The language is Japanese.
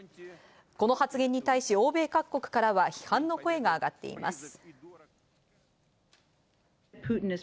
この発言に対し欧米各国からは批判の声が上がっています。